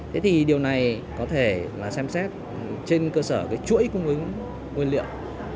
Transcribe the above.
thế thì điều này có thể là xem xét trên cơ sở cái chuỗi cung ứng nguyên liệu